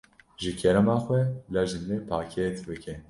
Ji kerema xwe bila ji min re pakêt bike.